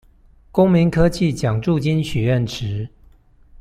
公民科技獎助金許願池